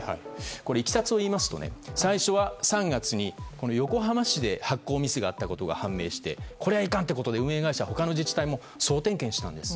いきさつを言いますと最初は３月に横浜市で発行ミスがあったことが判明してこれはいかんということで運営会社、他の自治体も総点検したんです。